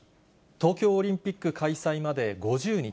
東京オリンピック開催まで５０日。